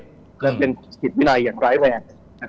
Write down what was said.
และเป็นผิดวินัยอย่างไร้แหวน